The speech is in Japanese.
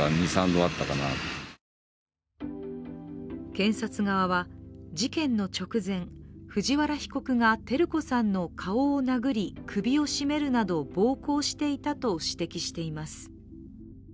検察側は事件の直前、藤原被告が照子さんの顔を殴り、首を絞めるなど暴行していたと指摘しています。